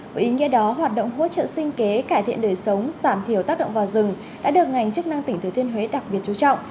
với ý nghĩa đó hoạt động hỗ trợ sinh kế cải thiện đời sống giảm thiểu tác động vào rừng đã được ngành chức năng tỉnh thừa thiên huế đặc biệt chú trọng